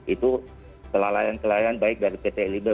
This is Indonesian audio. itu kelalaian kelalaian baik baik saja